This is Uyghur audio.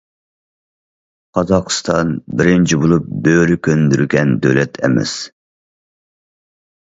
قازاقىستان بىرىنچى بولۇپ بۆرە كۆندۈرگەن دۆلەت ئەمەس.